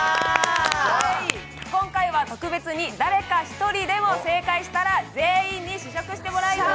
今回は特別に誰か１人でも正解したら全員に試食してもらいます。